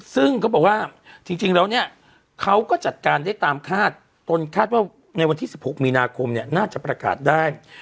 ที่ก็บอกว่าที่เขาก็จะจัดการได้ตามคาดต้นคาดว่าในวันที่๑๖มิคมน่าจะประกาศได้